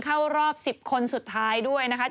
เข้ารอบ๑๐คนสุดท้ายด้วยนะคะ